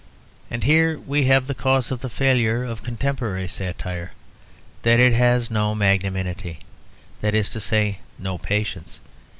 And here we have the cause of the failure of contemporary satire, that it has no magnanimity, that is to say, no patience.